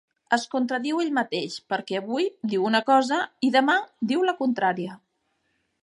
Es contradiu ell mateix, perquè avui diu una cosa i demà diu la contrària.